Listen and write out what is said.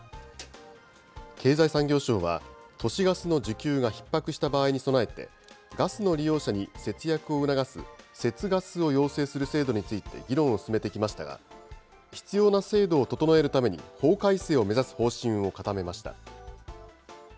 経済産業省は、都市ガスの需給がひっ迫した場合に備えて、ガスの利用者に節約を促す、節ガスを要請する制度について議論を進めてきましたが、必要な制度を整えるために、法改正を目指す方針を固めました。